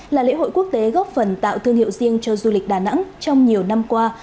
là lễ hội quốc tế góp phần tạo thương hiệu riêng cho du lịch đà nẵng trong nhiều năm qua